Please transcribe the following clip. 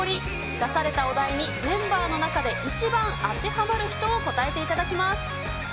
出されたお題に、メンバーの中で一番当てはまる人を答えていただきます。